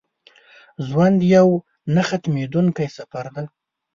ژوند یو نه ختمېدونکی سفر دی.